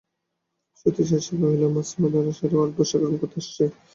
সতীশ আসিয়াই কহিল, মাসিমা, জান, রাশিয়ানররা ভারতবর্ষ আক্রমণ করতে আসছে?